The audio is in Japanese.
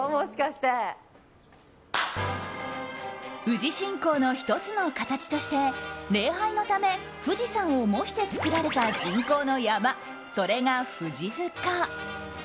富士信仰の１つの形として礼拝のため富士山を模して造られた人口の山それが富士塚。